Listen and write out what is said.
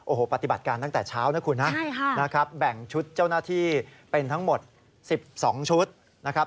โอ้โหปฏิบัติการตั้งแต่เช้านะคุณนะนะครับแบ่งชุดเจ้าหน้าที่เป็นทั้งหมด๑๒ชุดนะครับ